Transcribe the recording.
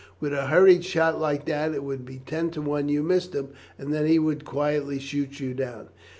With a hurried shot like that it would be ten to one you missed him, and then he would quietly shoot you down."